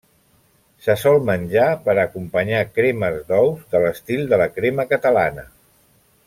Se sol menjar per a acompanyar cremes d'ous de l'estil de la crema catalana.